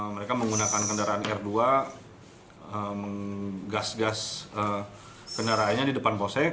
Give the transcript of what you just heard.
mereka menggunakan kendaraan r dua menggas gas kendaraannya di depan posek